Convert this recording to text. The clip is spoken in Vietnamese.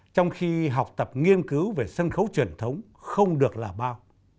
trong khi học tập nghiên cứu về sân khấu truyền thống không được là bao